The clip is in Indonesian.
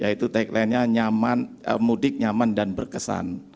yaitu taglinenya mudik nyaman dan berkesan